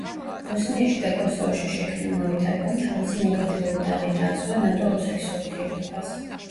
ბოსნიაში და კოსოვოში შექმნილმა ვითარებამ თავისი ნეგატიური დაღი დაასვა ნატო-რუსეთის ურთიერთობას.